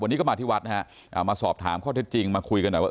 วันนี้ก็มาที่วัดนะฮะมาสอบถามข้อเท็จจริงมาคุยกันหน่อยว่า